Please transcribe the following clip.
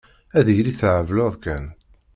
Ad yili thebleḍ kan.